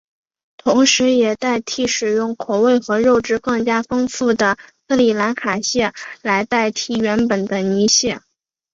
同时也替代使用口味和肉质更加丰富的斯里兰卡蟹来代替原本的泥蟹。